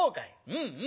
うんうん。